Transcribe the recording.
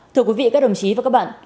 thưa quý vị các đồng chí và các bạn